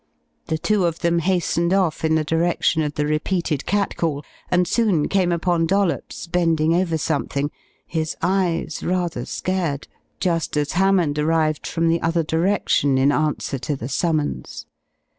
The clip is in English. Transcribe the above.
The two of them hastened off in the direction of the repeated cat call, and soon came upon Dollops bending over something, his eyes rather scared, just as Hammond arrived from the other direction in answer to the summons.